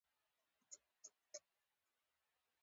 دا دستگاه د قضاوت او ساتنې لپاره ده.